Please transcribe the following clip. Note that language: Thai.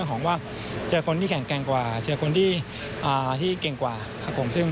ให้เข้าใจที่เก่งกว่าใช้คนที่อาทิตย์เก่งกว่าระชุมซึ่ง